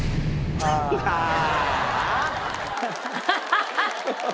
アハハハ！